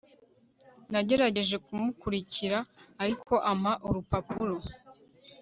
nagerageje kumukurikira, ariko ampa urupapuro